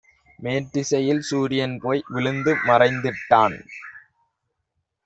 மேற்றிசையிற் சூரியன்போய் விழுந்து மறைந்திட்டான்;